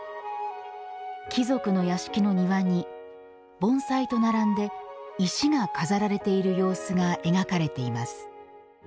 貴族の屋敷の庭に盆栽と並んで石が飾られている様子が描かれています。